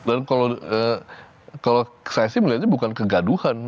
dan kalau saya sih melihatnya bukan kegaduhan